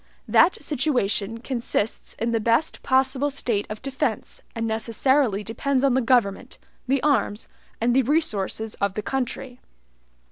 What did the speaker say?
That situation consists in the best possible state of defense, and necessarily depends on the government, the arms, and the resources of the country.